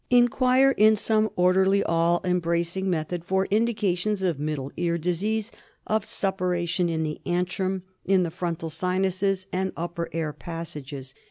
Inquire in some orderly, all embracing method for indications of middle ear disease, of suppuration in the antrum, in the frontal sinuses and upper air pas sages.